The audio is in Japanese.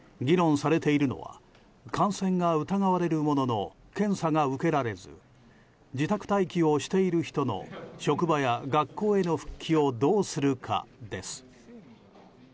議論されているのは感染が疑われるものの検査が受けられず自宅待機をしている人の職場や学校への復帰をどうするかです。